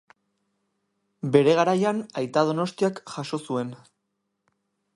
Bere garaian Aita Donostiak jaso zuen.